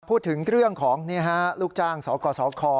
พูดถึงเรื่องของลูกจ้างสกสค